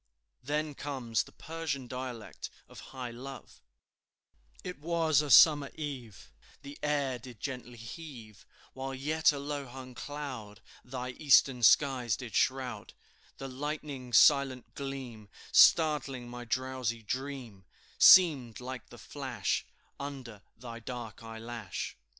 Then comes the Persian dialect of high love: "It was a summer eve, The air did gently heave, While yet a low hung cloud Thy eastern skies did shroud; The lightning's silent gleam Startling my drowsy dream, Seemed like the flash Under thy dark eyelash.